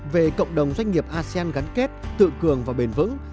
về cộng đồng doanh nghiệp asean gắn kết tự cường và bền vững